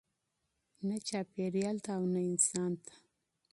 نه چاپیریال ته او نه انسان ته.